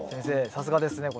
さすがです。